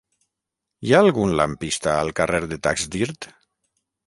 Hi ha algun lampista al carrer de Taxdirt?